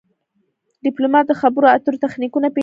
ډيپلومات د خبرو اترو تخنیکونه پېژني.